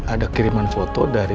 ada kiriman foto dari